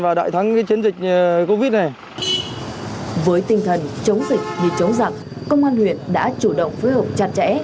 với tinh thần chống dịch như chống giặc công an huyện đã chủ động phối hợp chặt chẽ